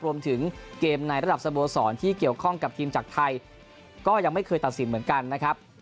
รวมถึงเกมในระดับสโมสรที่เกี่ยวข้องกับทีมจากไทยก็ยังไม่เคยตัดสินเหมือนกันนะครับ